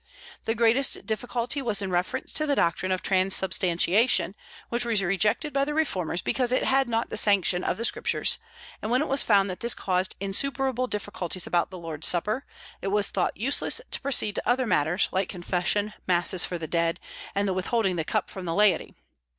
The greatest difficulty was in reference to the doctrine of Transubstantiation, which was rejected by the reformers because it had not the sanction of the Scriptures; and when it was found that this caused insuperable difficulties about the Lord's Supper, it was thought useless to proceed to other matters, like confession, masses for the dead, and the withholding the cup from the laity.